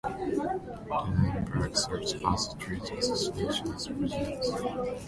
Lynn M. Bragg serves as the trade association's President.